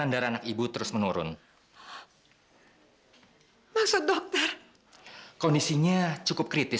kalau tipe cewek kayak gini